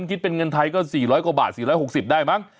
นึกถึงตรงกิยังก็๔๐๐กว่าบาท๔๖๐ได้มั้ง